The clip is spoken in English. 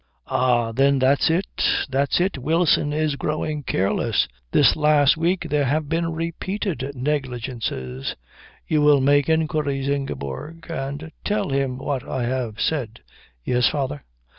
"Ah. Then that's it. That's it. Wilson is growing careless. This last week there have been repeated negligences. You will make inquiries, Ingeborg, and tell him what I have said." "Yes, father."